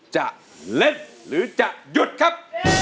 จะเล่นหรือจะหยุดครับ